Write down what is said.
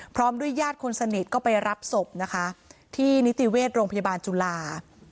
พร้อมด้วยญาติคนสนิทก็ไปรับศพนะคะที่นิติเวชโรงพยาบาลจุฬา